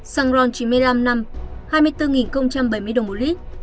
xăng ron chín mươi năm năm hai mươi bốn bảy mươi đồng một lít